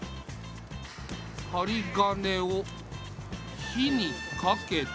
はりがねを火にかけて。